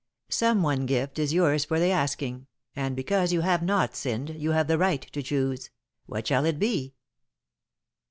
"Some one gift is yours for the asking, and, because you have not sinned, you have the right to choose. What shall it be?"